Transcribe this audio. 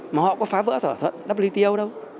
mà họ có phá vỡ thỏa thuận wto đâu